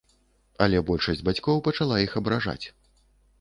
Але большасць бацькоў пачала іх абражаць.